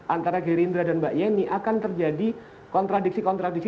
antara gerindra dan mbak yeni akan terjadi kontradiksi kontradiksi